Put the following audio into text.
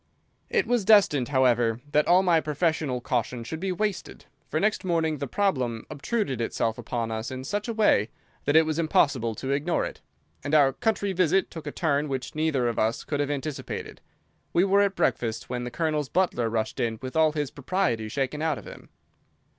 It was destined, however, that all my professional caution should be wasted, for next morning the problem obtruded itself upon us in such a way that it was impossible to ignore it, and our country visit took a turn which neither of us could have anticipated. We were at breakfast when the Colonel's butler rushed in with all his propriety shaken out of him.